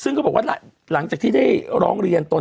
ซึ่งเขาบอกว่าหลังจากที่ได้ร้องเรียนตน